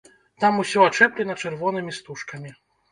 Там усё ачэплена чырвонымі стужкамі.